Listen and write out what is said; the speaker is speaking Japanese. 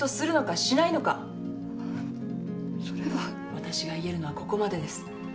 わたしが言えるのはここまでです。